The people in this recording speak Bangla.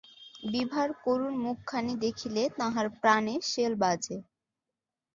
বিভার করুণ মুখখানি দেখিলে তাঁহার প্রাণে শেল বাজে।